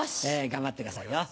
頑張ってくださいよ。